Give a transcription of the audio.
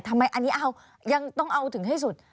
ทำไมอันนี้เอายังต้องเอาถึงให้สุด